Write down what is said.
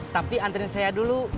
tapi anterin saya dulu